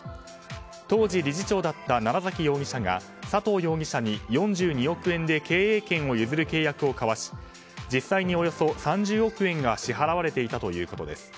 当時理事長だった楢崎容疑者が佐藤容疑者に４２億円で経営権を譲る契約を交わし実際におよそ３０億円が支払われていたということです。